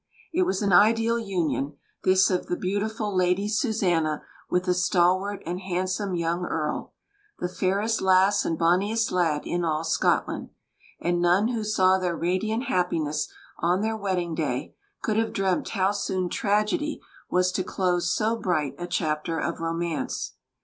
It was an ideal union, this of the beautiful Lady Susanna with the stalwart and handsome young Earl "the fairest lass and bonniest lad" in all Scotland; and none who saw their radiant happiness on their wedding day could have dreamt how soon tragedy was to close so bright a chapter of romance.